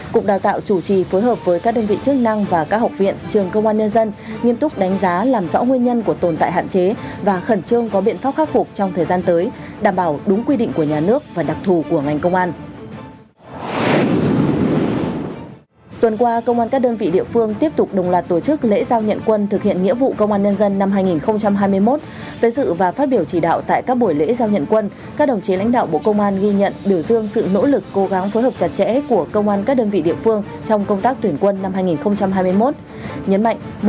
cụng đào tạo chủ trì phối hợp với các đơn vị chức năng và các học viện trường công an nhân dân nghiên túc đánh giá làm rõ nguyên nhân của tồn tại hạn chế và khẩn trương có biện pháp khắc phục trong thời gian tới đảm bảo đúng quy định của nhà nước và đặc thù của ngành công an